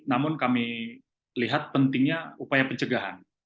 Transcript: namun kami lihat pentingnya upaya pencegahan